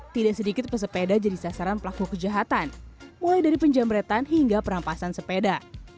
tidak sedikit pesepeda jadi sasaran pelaku kejahatan mulai dari penjamretan hingga perampasan sepeda